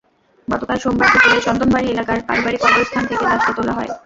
গতকাল সোমবার দুপুরে চন্দনবাড়ি এলাকার পারিবারিক কবরস্থান থেকে লাশটি তোলা হয়।